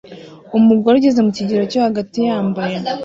Umugore ugeze mu kigero cyo hagati yambaye